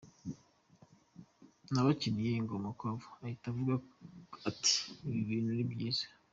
Nabakiniye ingoma Quavo ahita avuga ati ‘ibi bintu ni byiza’.